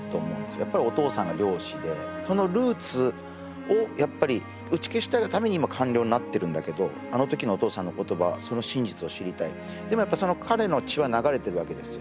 やっぱりお父さんが漁師でそのルーツをやっぱり打ち消したいがために今官僚になってるんだけどあのときのお父さんの言葉その真実を知りたいでもやっぱその彼の血は流れてるわけですよ